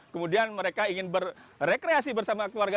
kemudian mereka ingin berrekreasi bersama keluarga